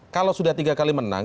kalau sudah tiga kali menang